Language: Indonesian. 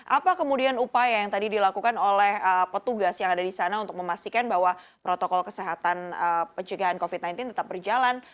apa kemudian upaya yang tadi dilakukan oleh petugas yang ada di sana untuk memastikan bahwa protokol kesehatan pencegahan covid sembilan belas tetap berjalan